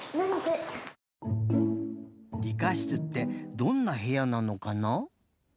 理科室ってどんなへやなのかな？